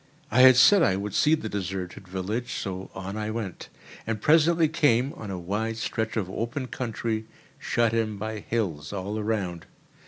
I had said I would see the deserted village, so on I went, and presently came on a wide stretch of open country, shut in by hills all around.